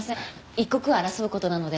一刻を争う事なので。